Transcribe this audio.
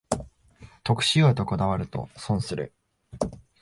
得しようとこだわると損する